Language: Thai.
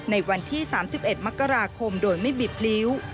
ในวันที่๓๑มกราคมโดยไม่บิดพลิ้ว